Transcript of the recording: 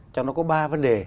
trong đó có ba vấn đề